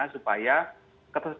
supaya ketersediaan dan keterlaluan